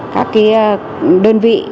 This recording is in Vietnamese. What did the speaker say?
các cái đơn vị